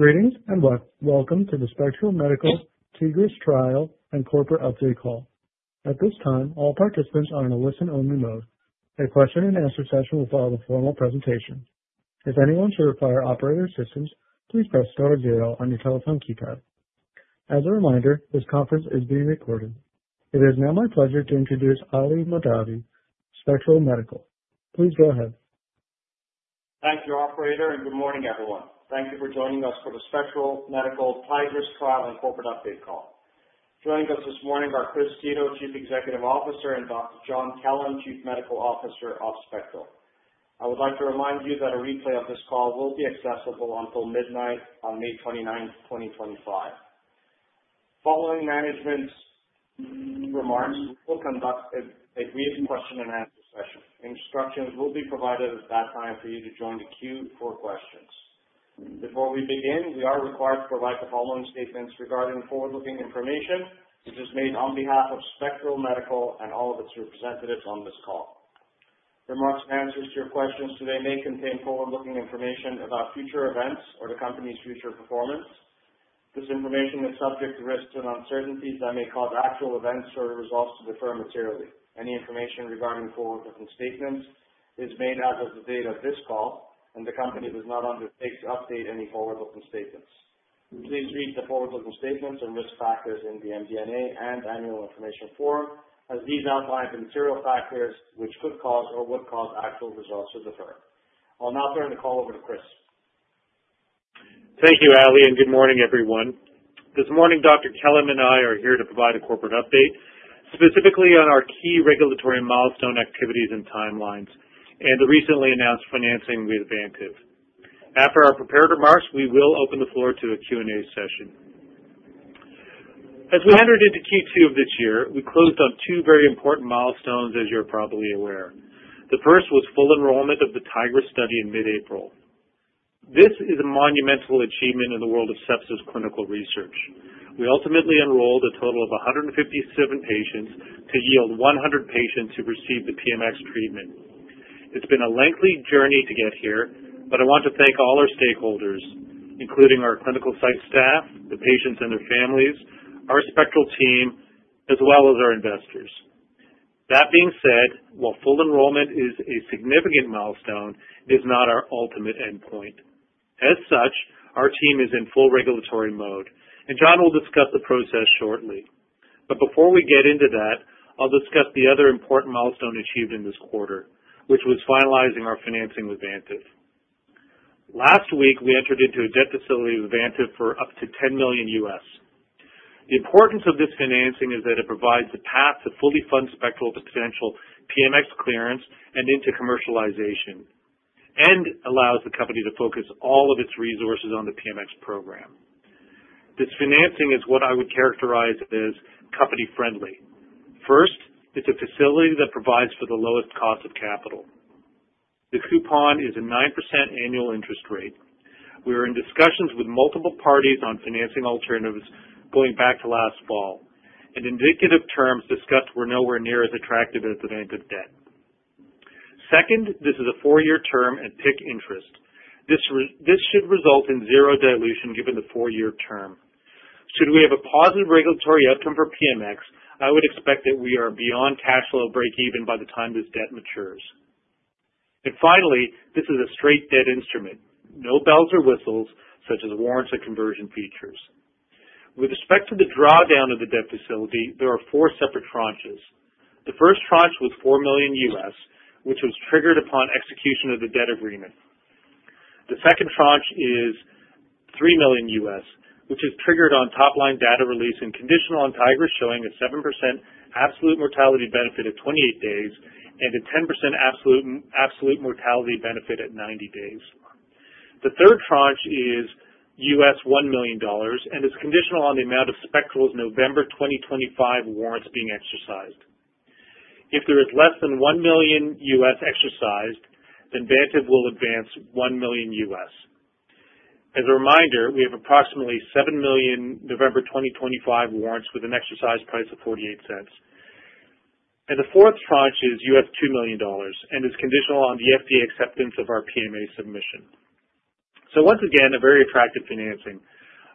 Greetings, and welcome to the Spectral Medical Tigris Trial and Corporate Update Call. At this time, all participants are in a listen-only mode. A question-and-answer session will follow the formal presentation. If anyone should require operator assistance, please press star zero on your telephone keypad. As a reminder, this conference is being recorded. It is now my pleasure to introduce Ali Mahdavi, Spectral Medical. Please go ahead. Thank you, operator, and good morning, everyone. Thank you for joining us for the Spectral Medical Tigris Trial and Corporate Update call. Joining us this morning are Chris Seto, Chief Executive Officer, and Dr. John Kellum, Chief Medical Officer of Spectral. I would like to remind you that a replay of this call will be accessible until midnight on May 29, 2025. Following management's remarks, we'll conduct a question-and-answer session. Instructions will be provided at that time for you to join the queue for questions. Before we begin, we are required to provide the following statements regarding forward-looking information, which is made on behalf of Spectral Medical and all of its representatives on this call. Remarks and answers to your questions today may contain forward-looking information about future events or the company's future performance. This information is subject to risks and uncertainties that may cause actual events or results to differ materially. Any information regarding forward-looking statements is made as of the date of this call, and the company does not undertake to update any forward-looking statements. Please read the forward-looking statements and risk factors in the MD&A and annual information form as these outline the material factors which could cause or would cause actual results to differ. I'll now turn the call over to Chris. Thank you, Ali, and good morning, everyone. This morning, Dr. Kellum and I are here to provide a corporate update, specifically on our key regulatory milestone activities and timelines and the recently announced financing with Vantive. After our prepared remarks, we will open the floor to a Q&A session. As we entered into Q2 of this year, we closed on two very important milestones, as you're probably aware. The first was full enrollment of the Tigris study in mid-April. This is a monumental achievement in the world of sepsis clinical research. We ultimately enrolled a total of 157 patients to yield 100 patients who received the PMX treatment. It's been a lengthy journey to get here, but I want to thank all our stakeholders, including our clinical site staff, the patients and their families, our Spectral team, as well as our investors. That being said, while full enrollment is a significant milestone, it is not our ultimate endpoint. As such, our team is in full regulatory mode. John will discuss the process shortly. Before we get into that, I'll discuss the other important milestone achieved in this quarter, which was finalizing our financing with Vantive. Last week, we entered into a debt facility with Vantive for up to $10 million U.S. The importance of this financing is that it provides the path to fully fund Spectral to potential PMX clearance and into commercialization and allows the company to focus all of its resources on the PMX program. This financing is what I would characterize as company-friendly. First, it's a facility that provides for the lowest cost of capital. The coupon is a 9% annual interest rate. We are in discussions with multiple parties on financing alternatives going back to last fall, and indicative terms discussed were nowhere near as attractive as the Vantive debt. Second, this is a four-year term and PIK interest. This should result in zero dilution given the four-year term. Should we have a positive regulatory outcome for PMX, I would expect that we are beyond cash flow breakeven by the time this debt matures. Finally, this is a straight debt instrument. No bells or whistles such as warrants or conversion features. With respect to the drawdown of the debt facility, there are four separate tranches. The first tranche was $4 million, which was triggered upon execution of the debt agreement. The second tranche is $3 million, which is triggered on top-line data release and conditional on Tigris showing a 7% absolute mortality benefit at 28 days and a 10% absolute mortality benefit at 90 days. The third tranche is $1 million and is conditional on the amount of Spectral's November 2025 warrants being exercised. If there is less than $1 million exercised, Vantive will advance $1 million. As a reminder, we have approximately $7 million November 2025 warrants with an exercise price of $0.48. The fourth tranche is $2 million and is conditional on the FDA acceptance of our PMA submission. Once again, a very attractive financing.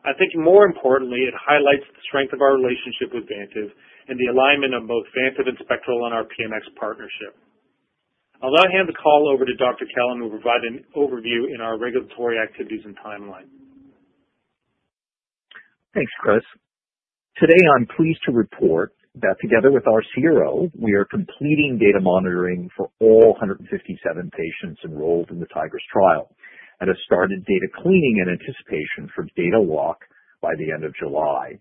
I think more importantly, it highlights the strength of our relationship with Vantive and the alignment of both Vantive and Spectral on our PMX partnership. I'll now hand the call over to Dr. Kellum, who will provide an overview in our regulatory activities and timeline. Thanks, Chris. Today, I'm pleased to report that together with our CRO, we are completing data monitoring for all 157 patients enrolled in the Tigris trial and have started data cleaning in anticipation for data lock by the end of July.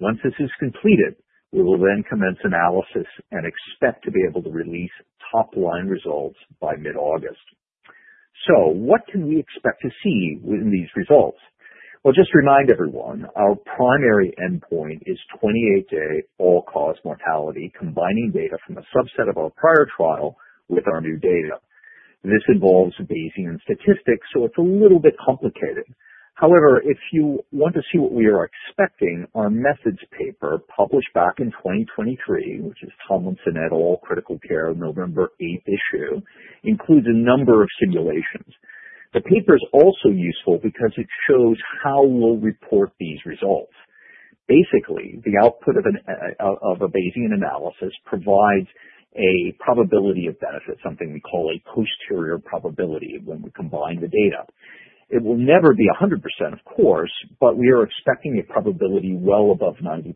Once this is completed, we will then commence analysis and expect to be able to release top-line results by mid-August. What can we expect to see within these results? Just to remind everyone, our primary endpoint is 28-day all-cause mortality, combining data from a subset of our prior trial with our new data. This involves Bayesian statistics, so it's a little bit complicated. However, if you want to see what we are expecting, our methods paper, published back in 2023, which is Tomlinson et al., Critical Care, November 8th issue, includes a number of simulations. The paper is also useful because it shows how we will report these results. Basically, the output of a Bayesian analysis provides a probability of benefit, something we call a posterior probability when we combine the data. It will never be 100%, of course, but we are expecting a probability well above 90%.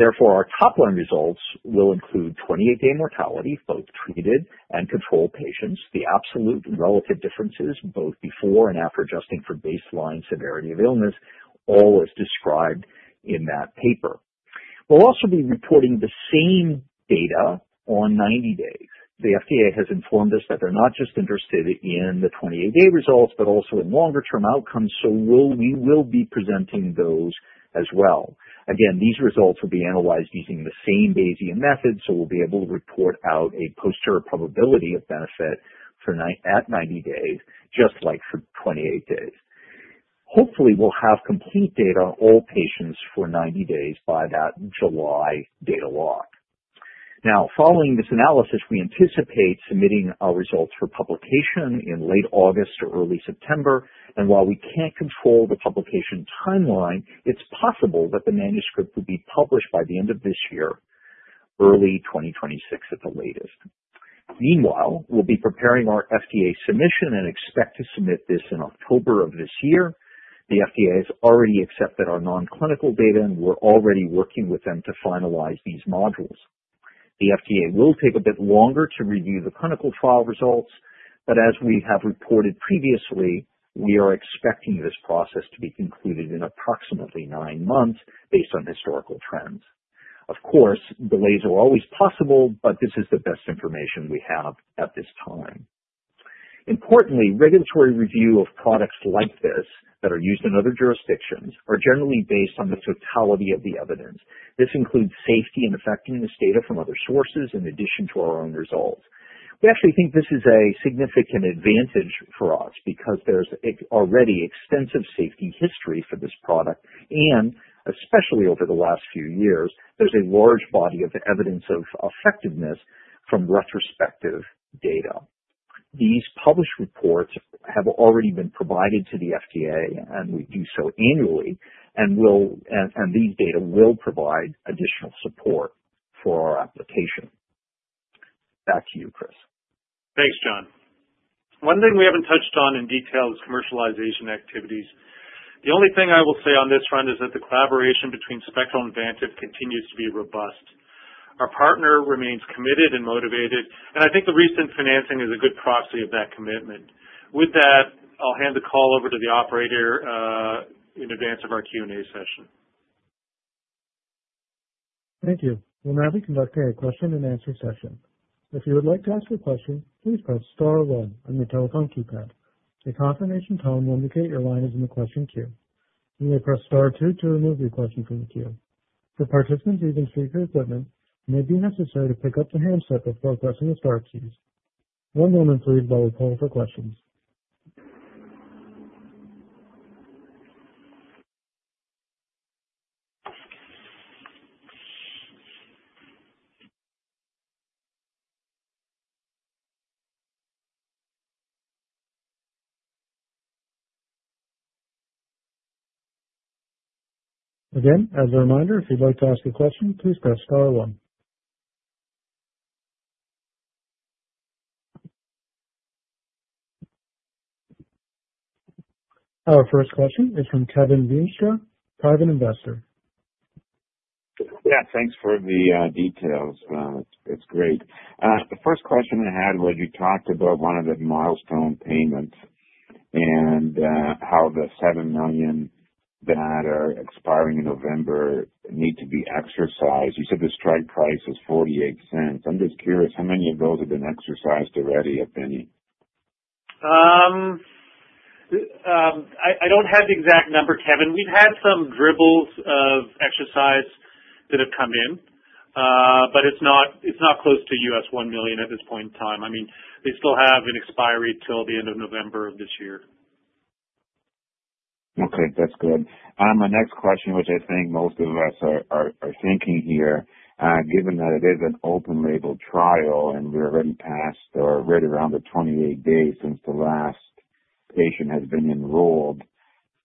Our top-line results will include 28-day mortality, both treated and control patients, the absolute and relative differences, both before and after adjusting for baseline severity of illness, all as described in that paper. We will also be reporting the same data on 90 days. The FDA has informed us that they are not just interested in the 28-day results, but also in longer-term outcomes. We will be presenting those as well. These results will be analyzed using the same Bayesian methods, we'll be able to report out a posterior probability of benefit at 90 days, just like for 28 days. Hopefully, we'll have complete data on all patients for 90 days by that July data lock. Following this analysis, we anticipate submitting our results for publication in late August or early September. While we can't control the publication timeline, it's possible that the manuscript will be published by the end of this year, early 2026 at the latest. Meanwhile, we'll be preparing our FDA submission and expect to submit this in October of this year. The FDA has already accepted our non-clinical data, we're already working with them to finalize these modules. The FDA will take a bit longer to review the clinical trial results, but as we have reported previously, we are expecting this process to be concluded in approximately nine months based on historical trends. Of course, delays are always possible, but this is the best information we have at this time. Importantly, regulatory review of products like this that are used in other jurisdictions are generally based on the totality of the evidence. This includes safety and effectiveness data from other sources in addition to our own results. We actually think this is a significant advantage for us because there's already extensive safety history for this product, and especially over the last few years, there's a large body of evidence of effectiveness from retrospective data. These published reports have already been provided to the FDA, and we do so annually, and these data will provide additional support for our application. Back to you, Chris. Thanks, John. One thing we haven't touched on in detail is commercialization activities. The only thing I will say on this front is that the collaboration between Spectral and Vantive continues to be robust. Our partner remains committed and motivated, and I think the recent financing is a good proxy of that commitment. With that, I'll hand the call over to the operator in advance of our Q&A session. Thank you. We'll now be conducting a question-and-answer session. If you would like to ask a question, please press star one on your telephone keypad. A confirmation tone will indicate your line is in the question queue. You may press star two to remove your question from the queue. For participants using speaker equipment, it may be necessary to pick up the handset before pressing the star keys. One moment please while we call for questions. Again, as a reminder, if you'd like to ask a question, please press star one. Our first question is from Kevin Vinstra, private investor. Yeah. Thanks for the details. It's great. The first question I had was, you talked about one of the milestone payments and how the 7 million that are expiring in November need to be exercised. You said the strike price was 0.48. I'm just curious, how many of those have been exercised already, if any? I don't have the exact number, Kevin. We've had some dribbles of exercise that have come in. It's not close to U.S. $1 million at this point in time. They still have an expiry till the end of November of this year. Okay. That's good. My next question, which I think most of us are thinking here, given that it is an open label trial and we're already past or right around the 28 days since the last patient has been enrolled,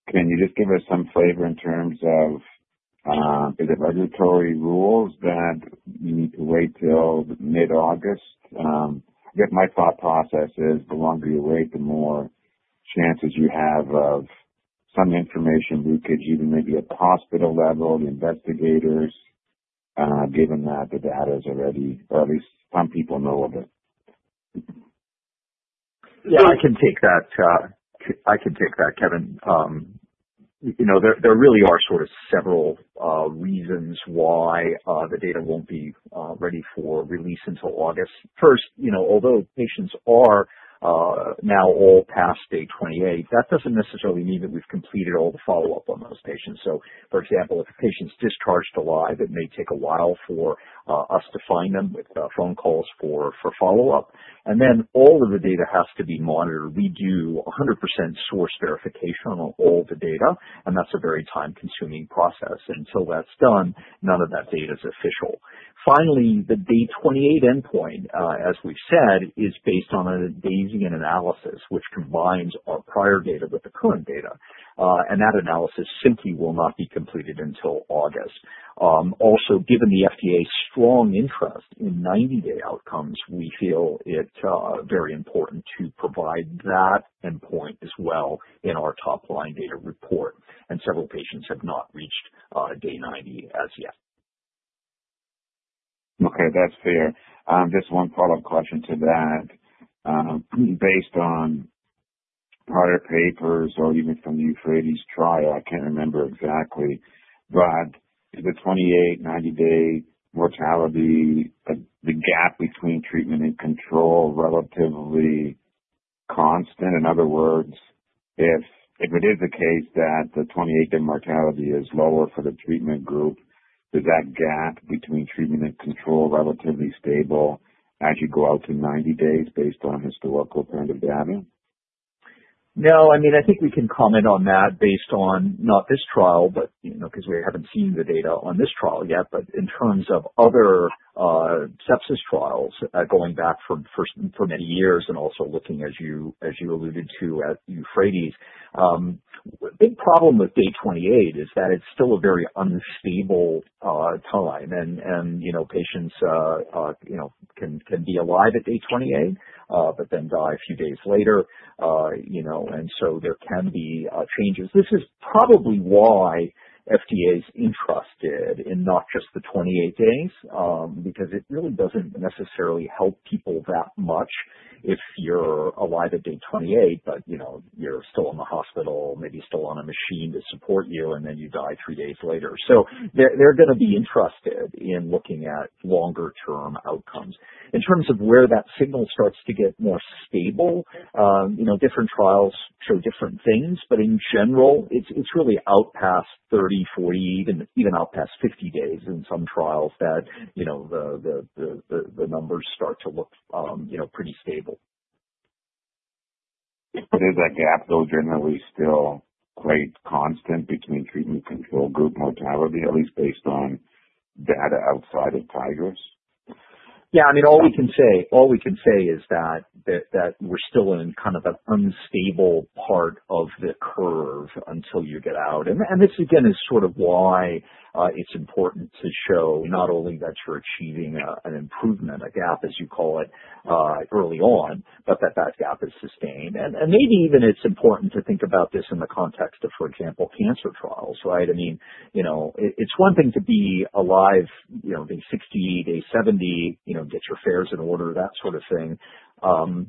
can you just give us some flavor in terms of is it regulatory rules that you need to wait till mid-August? I guess my thought process is the longer you wait, the more chances you have of some information leakage, even maybe at the hospital level, the investigators, given that the data's already, or at least some people know of it. Yeah, I can take that, Kevin. There really are sort of several reasons why the data won't be ready for release until August 1st. Although patients are now all past day 28, that doesn't necessarily mean that we've completed all the follow-up on those patients. For example, if a patient's discharged to LTC, that may take a while for us to find them with phone calls for follow-up. All of the data has to be monitored. We do 100% source verification on all the data, and that's a very time-consuming process. Until that's done, none of that data is official. Finally, the day 28 endpoint, as we've said, is based on a Bayesian analysis which combines our prior data with the current data. That analysis simply will not be completed until August. Given the FDA's strong interest in 90-day outcomes, we feel it very important to provide that endpoint as well in our top-line data report, and several patients have not reached day 90 as yet. Okay. That's fair. Just one follow-up question to that. Based on prior papers or even from the EUPHRATES trial, I can't remember exactly, but the 28, 90-day mortality, the gap between treatment and control, relatively constant. In other words, if it is the case that the 28-day mortality is lower for the treatment group, is that gap between treatment and control relatively stable as you go out to 90 days based on historical kind of data? No. I think we can comment on that based on, not this trial, because we haven't seen the data on this trial yet, but in terms of other sepsis trials going back for many years and also looking, as you alluded to, at EUPHRATES. A big problem with day 28 is that it's still a very unstable time, and patients can be alive at day 28 but then die a few days later. There can be changes. This is probably why FDA is interested in not just the 28 days, because it really doesn't necessarily help people that much if you're alive at day 28, but you're still in the hospital, maybe still on a machine to support you, then you die three days later. They're going to be interested in looking at longer-term outcomes. In terms of where that signal starts to get more stable, different trials show different things, but in general, it's really out past 30, 40, even out past 50 days in some trials that the numbers start to look pretty stable. Is that gap, though, generally still quite constant between treatment control group mortality, at least based on data outside of Tigris? Yeah. All we can say is that we're still in kind of an unstable part of the curve until you get out. This, again, is sort of why it's important to show not only that you're achieving an improvement in a gap, as you call it, early on, but that that gap is sustained. Maybe even it's important to think about this in the context of, for example, cancer trials, right? It's one thing to be alive day 60, day 70, get your affairs in order, that sort of thing.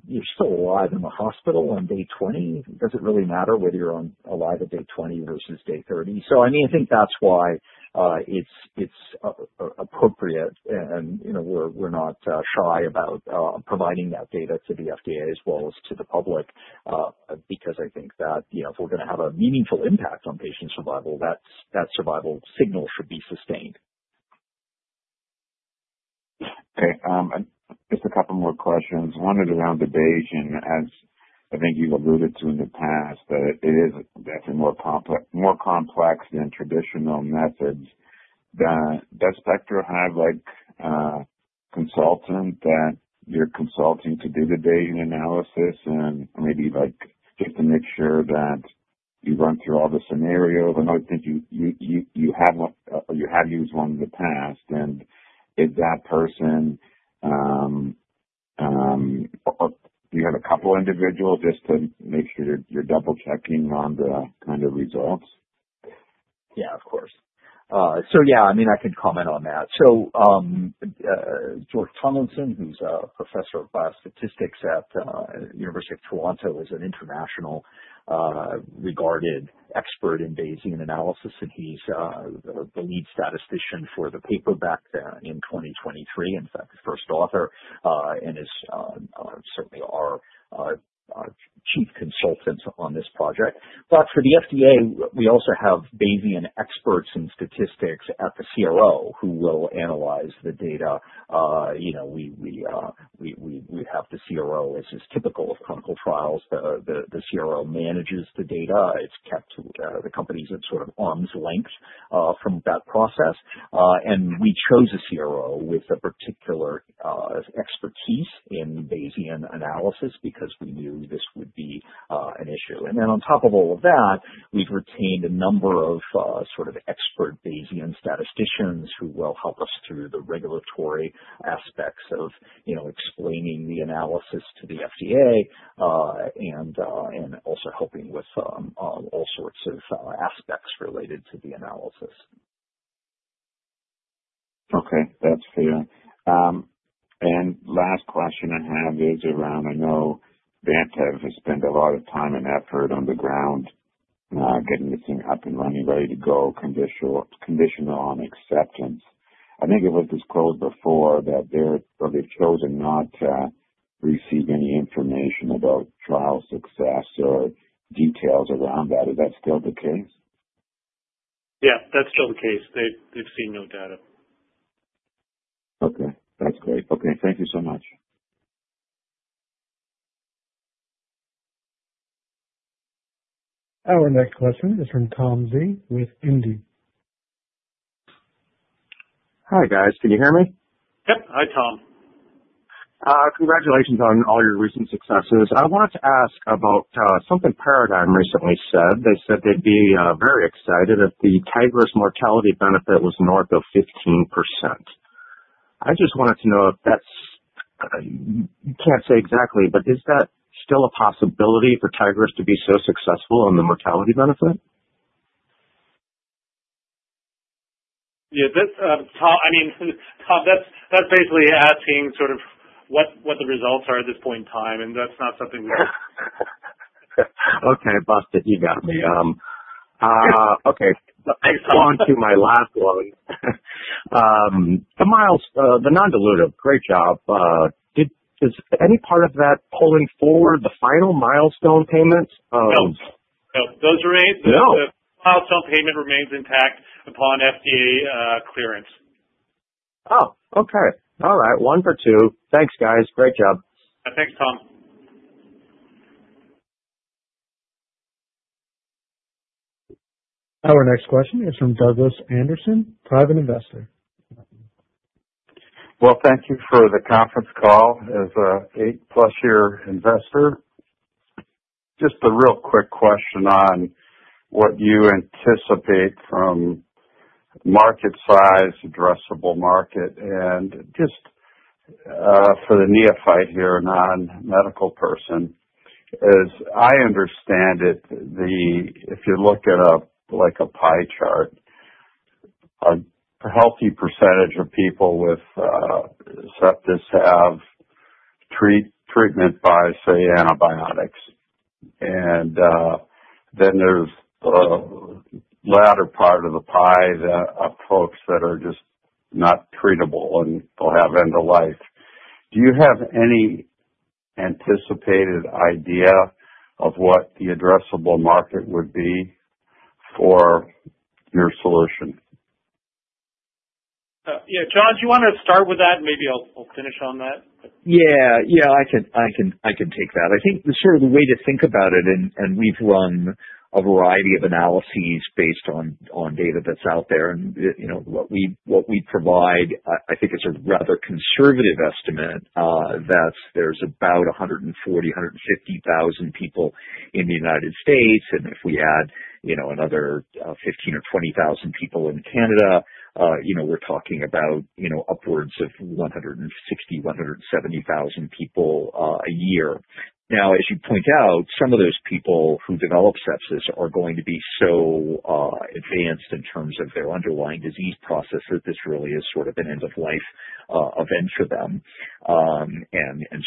You're still alive in the hospital on day 20. Does it really matter whether you're alive at day 20 versus day 30? I think that's why it's appropriate, and we're not shy about providing that data to the FDA as well as to the public, because I think that if we're going to have a meaningful impact on patient survival, that survival signal should be sustained. Okay. Just a couple more questions. One is around the Bayesian, as I think you've alluded to in the past, that it is definitely more complex than traditional methods. Does Spectral have a consultant that you're consulting to do the Bayesian analysis and maybe just to make sure that you run through all the scenarios? I know you have used one in the past. Do you have a couple individuals just to make sure you're double-checking on the kind of results? Yeah, of course. Yeah, I can comment on that. George Tomlinson, who's a professor of biostatistics at University of Toronto, is an international regarded expert in Bayesian analysis, and he's the lead statistician for the paper back in 2023, in fact, the first author, and is certainly our chief consultant on this project. For the FDA, we also have Bayesian experts in statistics at the CRO who will analyze the data. We have the CRO, as is typical of clinical trials. The CRO manages the data. The company's at sort of arm's length from that process. We chose a CRO with a particular expertise in Bayesian analysis because we knew this would be an issue. On top of all of that, we've retained a number of sort of expert Bayesian statisticians who will help us through the regulatory aspects of explaining the analysis to the FDA, and also helping with all sorts of aspects related to the analysis. Okay. That's fair. Last question I have is around, I know Vantive has spent a lot of time and effort on the ground getting this thing up and running, ready to go, conditional on acceptance. I think it was disclosed before that they've chosen not to receive any information about trial success or details around that. Is that still the case? Yeah, that's still the case. They've seen no data. Okay. That's great. Okay. Thank you so much. Our next question is from Tom Z. with Indie. Hi guys. Can you hear me? Yep. Hi, Tom. Congratulations on all your recent successes. I wanted to ask about something Paradigm recently said. They said they'd be very excited if the Tigris mortality benefit was north of 15%. I just wanted to know if that's, you can't say exactly, but is that still a possibility for Tigris to be so successful on the mortality benefit? Yeah, Tom, that's basically asking sort of what the results are at this point in time. Okay, busted. You got me. Okay. On to my last one. The non-dilutive, great job. Is any part of that pulling forward the final milestone payments? No. No. The milestone payment remains intact upon FDA clearance. Oh, okay. All right, one for two. Thanks, guys. Great job. Thanks, Tom. Our next question is from Douglas Anderson, private investor. Well, thank you for the conference call as an eight-plus year investor. Just a real quick question on what you anticipate from market size, addressable market, and just, for the neophyte here, non-medical person, as I understand it, if you look at a pie chart, a healthy percentage of people with sepsis have treatment by, say, antibiotics. Then there's the latter part of the pie, the folks that are just not treatable and they'll have end of life. Do you have any anticipated idea of what the addressable market would be for your solution? Yeah. John, do you want to start with that? Maybe I'll finish on that. Yeah. I can take that. I think the sort of the way to think about it, and we've run a variety of analyses based on data that's out there, and what we provide, I think is a rather conservative estimate, that there's about 140, 150,000 people in the U.S., and if we add another 15,000 or 20,000 people in Canada, we're talking about upwards of 160, 170,000 people a year. Now, as you point out, some of those people who develop sepsis are going to be so advanced in terms of their underlying disease process that this really is sort of an end-of-life event for them.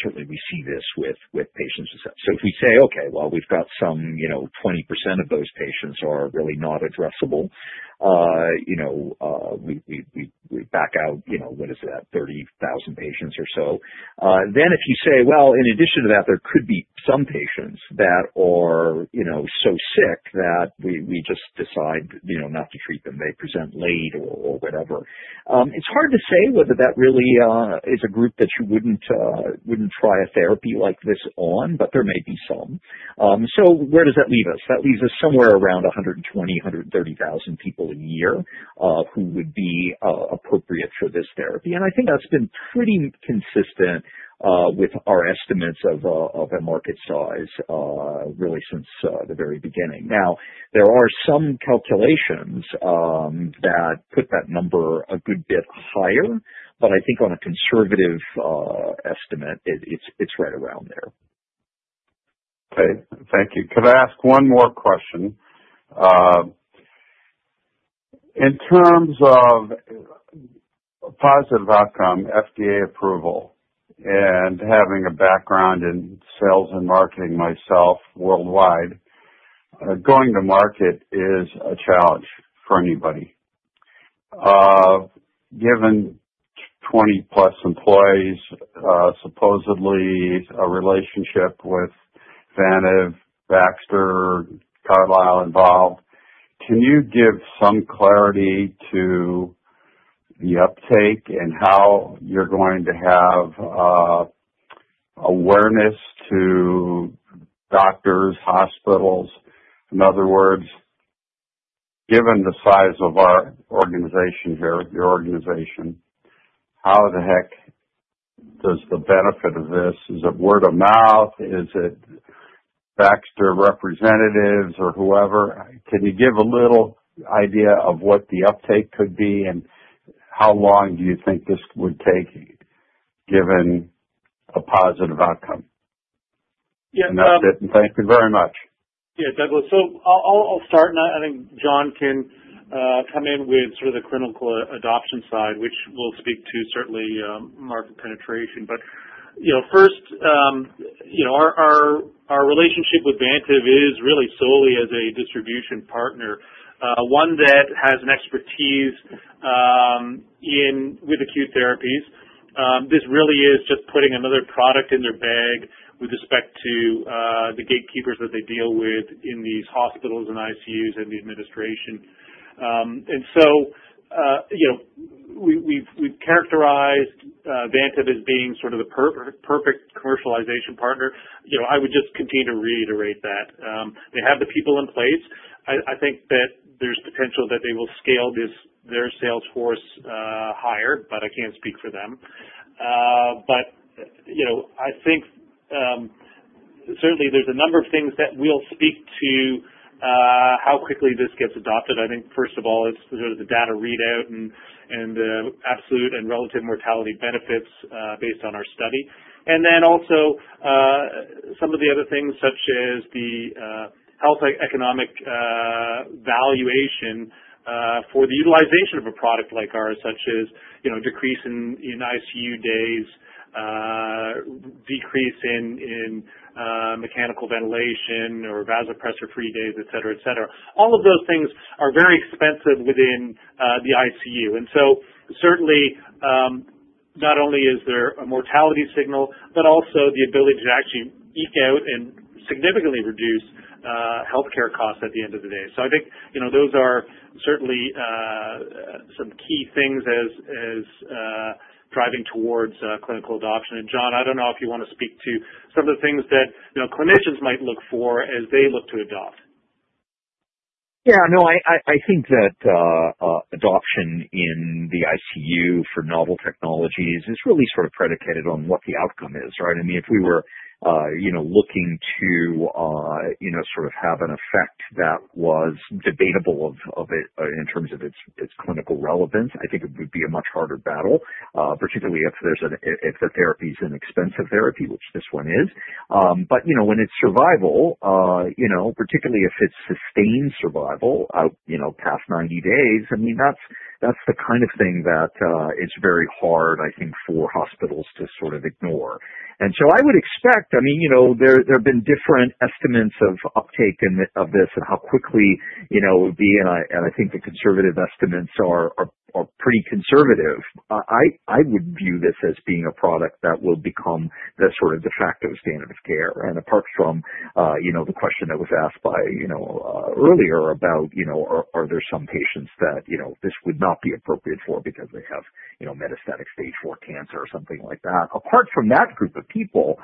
Certainly, we see this with patients. If we say, okay, well, we've got some 20% of those patients are really not addressable, we back out, what is it, at 30,000 patients or so. If you say, well, in addition to that, there could be some patients that are so sick that we just decide not to treat them. They present late or whatever. It's hard to say whether that really is a group that you wouldn't try a therapy like this on, but there may be some. Where does that leave us? That leaves us somewhere around 120,000-130,000 people a year, who would be appropriate for this therapy. I think that's been pretty consistent with our estimates of a market size really since the very beginning. There are some calculations that put that number a good bit higher, but I think on a conservative estimate, it's right around there. Okay. Thank you. Could I ask one more question? In terms of positive outcome, FDA approval, and having a background in sales and marketing myself worldwide, going to market is a challenge for anybody. Given 20-plus employees, supposedly a relationship with Vantive, Baxter, Carlyle involved, can you give some clarity to the uptake and how you're going to have awareness to doctors, hospitals? In other words, given the size of our organization here, your organization, how the heck does the benefit of this Is it word of mouth? Is it Baxter representatives or whoever? Can you give a little idea of what the uptake could be, and how long do you think this would take, given a positive outcome? Yeah. That's it, and thank you very much. Yeah, Douglas. I'll start, and I think John can come in with sort of the clinical adoption side, which will speak to certainly market penetration. First, our relationship with Vantive is really solely as a distribution partner, one that has an expertise with acute therapies. This really is just putting another product in their bag with respect to the gatekeepers that they deal with in these hospitals and ICUs and the administration. You know, we've characterized Vantive as being sort of the perfect commercialization partner. I would just continue to reiterate that. They have the people in place. I think that there's potential that they will scale their sales force higher, but I can't speak for them. I think certainly there's a number of things that will speak to how quickly this gets adopted. I think first of all, it's the data readout and the absolute and relative mortality benefits based on our study. Also some of the other things, such as the health economic valuation for the utilization of a product like ours, such as decrease in ICU days, decrease in mechanical ventilation or vasopressor-free days, et cetera. All of those things are very expensive within the ICU. Certainly, not only is there a mortality signal, but also the ability to actually eke out and significantly reduce healthcare costs at the end of the day. I think those are certainly some key things as driving towards clinical adoption. John, I don't know if you want to speak to some of the things that clinicians might look for as they look to adopt. Yeah, no, I think that adoption in the ICU for novel technologies is really sort of predicated on what the outcome is, right? If we were looking to sort of have an effect that was debatable in terms of its clinical relevance, I think it would be a much harder battle, particularly if the therapy is an expensive therapy, which this one is. When it's survival, particularly if it's sustained survival out past 90 days, that's the kind of thing that is very hard, I think, for hospitals to sort of ignore. I would expect, there have been different estimates of uptake of this and how quickly it would be, and I think the conservative estimates are pretty conservative. I would view this as being a product that will become the sort of de facto standard of care. Apart from the question that was asked earlier about are there some patients that this would not be appropriate for because they have metastatic stage four cancer or something like that. Apart from that group of people,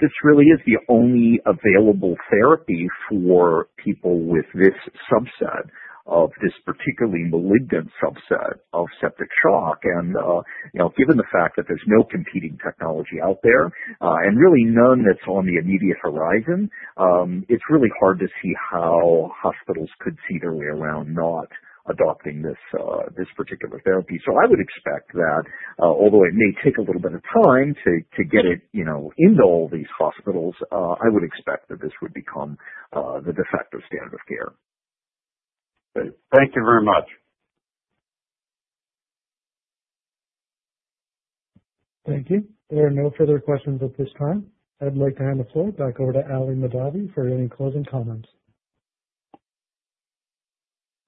this really is the only available therapy for people with this subset of this particularly malignant subset of septic shock. Given the fact that there's no competing technology out there, and really none that's on the immediate horizon, it's really hard to see how hospitals could see their way around not adopting this particular therapy. I would expect that although it may take a little bit of time to get it into all these hospitals, I would expect that this would become the de facto standard of care. Great. Thank you very much. Thank you. There are no further questions at this time. I'd like to hand the floor back over to Ali Mahdavi for any closing comments.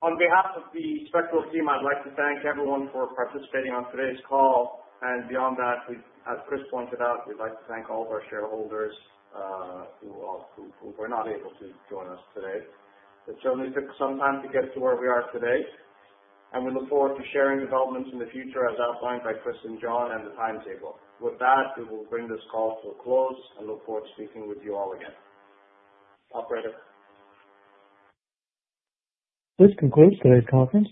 On behalf of the Spectral team, I'd like to thank everyone for participating on today's call. Beyond that, as Chris pointed out, we'd like to thank all of our shareholders who were not able to join us today. It certainly took some time to get to where we are today, and we look forward to sharing developments in the future as outlined by Chris and John and the timetable. With that, we will bring this call to a close and look forward to speaking with you all again. Operator. This concludes today's conference.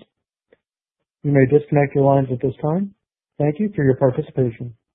You may disconnect your lines at this time. Thank you for your participation.